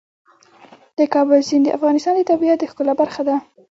د کابل سیند د افغانستان د طبیعت د ښکلا برخه ده.